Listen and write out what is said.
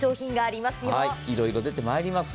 いろいろ出てまいります。